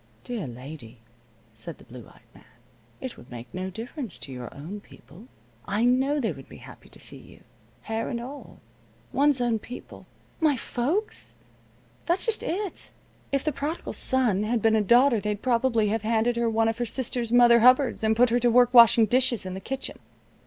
"Dear lady," said the blue eyed man, "it would make no difference to your own people. I know they would be happy to see you, hair and all. One's own people " "My folks? That's just it. If the Prodigal Son had been a daughter they'd probably have handed her one of her sister's mother hubbards, and put her to work washing dishes in the kitchen.